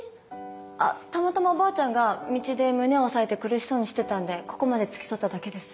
あったまたまおばあちゃんが道で胸を押さえて苦しそうにしてたんでここまで付き添っただけです。